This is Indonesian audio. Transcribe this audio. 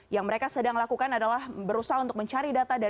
yang mereka sedang lakukan adalah berusaha untuk mencari data